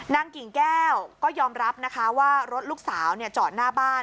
กิ่งแก้วก็ยอมรับนะคะว่ารถลูกสาวจอดหน้าบ้าน